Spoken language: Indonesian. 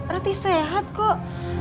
ratih sehat kok